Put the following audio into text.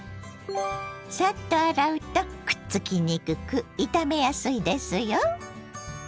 サッと洗うとくっつきにくく炒めやすいですよ。